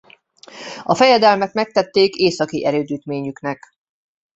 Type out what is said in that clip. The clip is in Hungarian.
A fejedelmek megtették északi erődítményüknek.